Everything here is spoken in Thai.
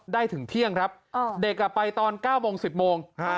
ได้ถึงเที่ยงครับอ่าเด็กอ่ะไปตอนเก้าโมงสิบโมงฮะ